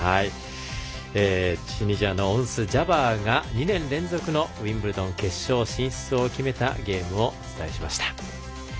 チュニジアのオンス・ジャバーが２年連続のウィンブルドン決勝進出を決めたゲームをお伝えしました。